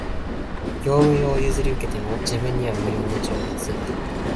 業務用を譲り受けても、自分には無用の長物